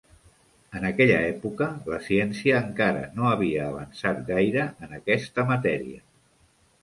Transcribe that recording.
En aquella època, la ciència encara no havia avançat gaire en aquesta matèria.